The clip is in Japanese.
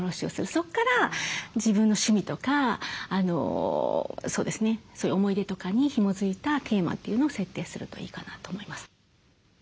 そこから自分の趣味とかそうですねそういう思い出とかにひもづいたテーマというのを設定するといいかなと思います。